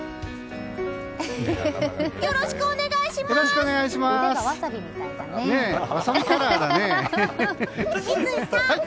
よろしくお願いします！